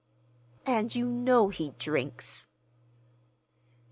"And you know he drinks."